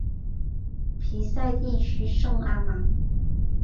皮赛地区圣阿芒。